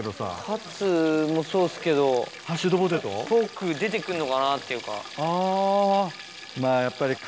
カツもそうですけどフォーク出て来んのかなっていうか。